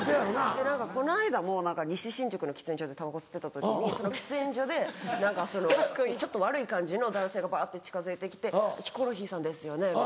この間も西新宿の喫煙所でタバコ吸ってた時に喫煙所でちょっと悪い感じの男性がパって近づいて来て「ヒコロヒーさんですよね